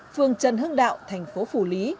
phương trần hưng đạo thành phố phủ lý